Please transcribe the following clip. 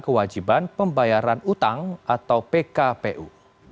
kewajiban pembayaran utang atau pkpu